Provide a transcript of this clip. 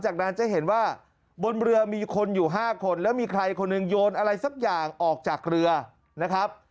จากนั้นจะเห็นว่าบนเรือมีคนอยู่๕คนแล้วมีใครคนหนึ่งโยนอะไรสักอย่างออกจากเรือนะครับ